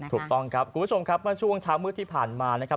ถูกต้องครับคุณผู้ชมครับเมื่อช่วงเช้ามืดที่ผ่านมานะครับ